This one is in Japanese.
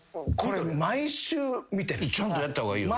ちゃんとやった方がいいよ。